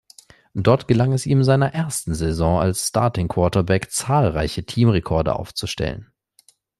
Dort gelang es ihm in seiner ersten Saison als Starting-Quarterback zahlreiche Team-Rekorde aufzustellen.